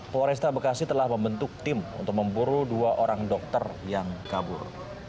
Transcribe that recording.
polresta bekasi telah membentuk tim untuk memburu dua orang dokter yang kabur